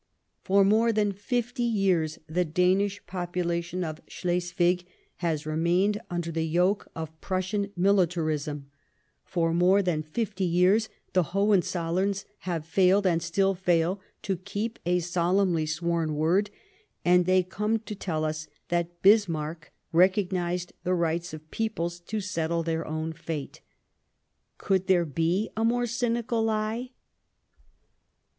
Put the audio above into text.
For more than fift}'' years the Danish population of Slesvig has remained under the yoke of Prussian militarism ; for more than fifty years the Hohenzollerns have failed, and still fail, to keep a solemnly sworn word, and they come to tell us that Bismarck recognized the right of peoples to settle their own fate. Could there be a more cynical lie